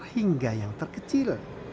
hingga yang terkecil